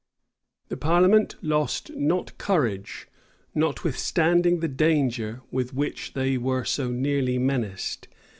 The parliament lost not courage, notwithstanding the danger with which they were so nearly menaced.